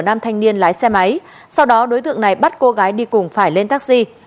nam thanh niên lái xe máy sau đó đối tượng này bắt cô gái đi cùng phải lên taxi